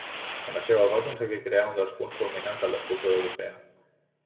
Amb això, va aconseguir crear un dels punts culminants de l'escultura europea.